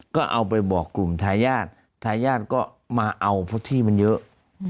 ก็เอาไปบอกกลุ่มทายาททายาทก็มาเอาเพราะที่มันเยอะ